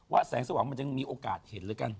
แสงสว่างมันยังมีโอกาสเห็นแล้วกัน